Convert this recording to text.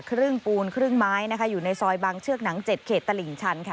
ครึ่งปูนครึ่งไม้นะคะอยู่ในซอยบางเชือกหนังเจ็ดเขตตลิ่งชันค่ะ